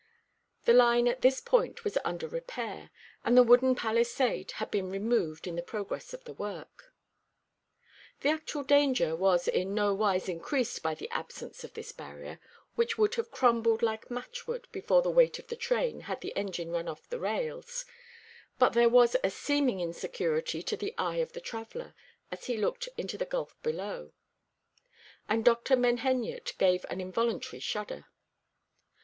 The line at this point was under repair, and the wooden palisade had been removed in the progress of the work. The actual danger was in nowise increased by the absence of this barrier, which would have crumbled like matchwood before the weight of the train, had the engine run off the rails but there was a seeming insecurity to the eye of the traveller as he looked into the gulf below; and Dr. Menheniot gave an involuntary shudder.